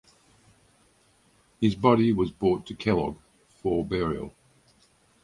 His body was brought to Kellog for burial.